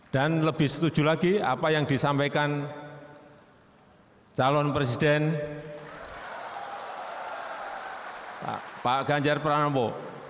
dan lebih setuju lagi apa yang disampaikan calon presiden pak ganjar pranowo